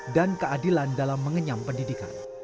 keadilan dalam mengenyam pendidikan